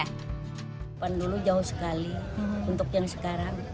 kapan dulu jauh sekali untuk yang sekarang